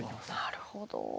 なるほど。